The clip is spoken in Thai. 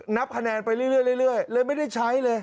นับคะแนนไปเรื่อยเลยไม่ได้ใช้เลย